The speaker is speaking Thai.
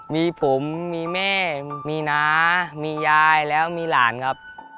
มีผมมีแม่มีน้ามียายแล้วมีหลานครับ